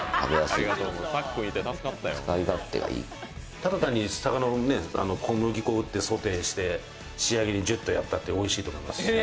ただ単に魚に小麦粉振って、仕上げにジュッとやったっておいしいと思います。